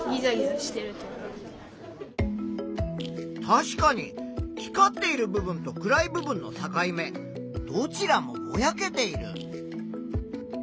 確かに光っている部分と暗い部分の境目どちらもぼやけている。